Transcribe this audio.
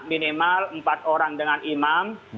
minimal empat orang dengan imam